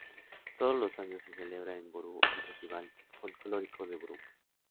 Todos los años, se celebra en Võru el Festival Folclórico de Võru.